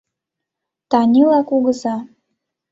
Танила кугыза.